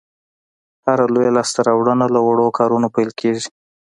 هره لویه لاسته راوړنه له وړو کارونو پیل کېږي.